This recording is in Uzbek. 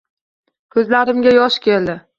Koʻzlarimga yosh keldi…